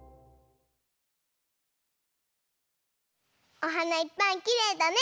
おはないっぱいきれいだね！